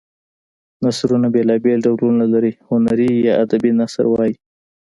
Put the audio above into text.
نثرونه بېلا بېل ډولونه لري هنري یا ادبي نثر وايي.